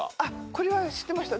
これは知ってました。